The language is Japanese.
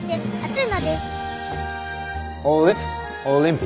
うん？